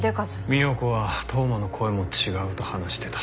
三代子は当麻の声も違うと話してた。